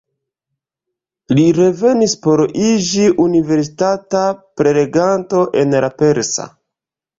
Li revenis por iĝi universitata preleganto en la persa.